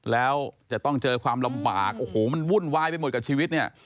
แล้วจะต้องเจอความลำบากโอ้โหมันวุ่นวายไปหมดกับชีวิตเนี่ย